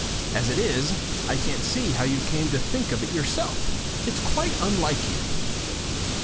As it is, I can't see how you came to think of it for yourself. It's quite unlike you."